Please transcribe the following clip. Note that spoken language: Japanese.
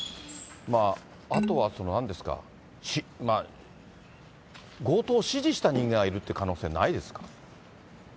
あとはその、なんですか、強盗を指示した人間がいるっていう可能性ないですか？